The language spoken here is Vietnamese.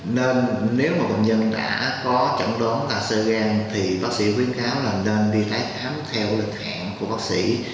nên nếu mà bệnh nhân đã có chẳng đoán là sơ gan thì bác sĩ khuyến cáo là nên đi thái thám theo lịch hạn của bác sĩ